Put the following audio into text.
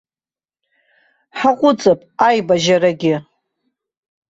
Ҳаҟәыҵп аибажьарагьы!